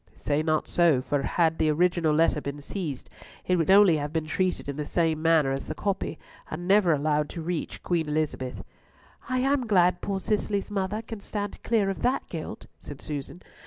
"Say not so, for had the original letter been seized, it would only have been treated in the same manner as the copy, and never allowed to reach Queen Elizabeth." "I am glad poor Cicely's mother can stand clear of that guilt," said Susan.